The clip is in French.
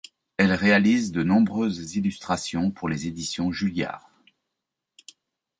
Elle réalise de nombreuses illustrations pour les éditions Julliard.